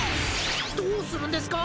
どうするんですか！？